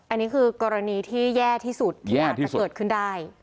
อันนี้คือกรณีที่แย่ที่สุดที่อาจจะเกิดขึ้นได้